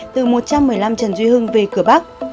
từ một trăm một mươi năm trần duy hưng về cửa bắc